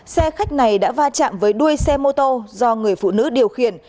xe khách này đã va chạm với đuôi xe mô tô do người phụ nữ điều khiển